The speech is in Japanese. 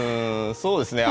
そうですね。